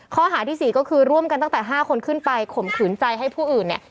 ข้อหาที่๔ก็คือร่วมกันตั้งแต่๕คนขึ้นไปข่มขืนใจให้ผู้อื่นเนี่ย